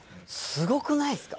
すごくないですか？